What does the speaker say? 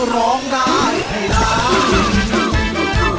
ร้องได้ให้ร้าน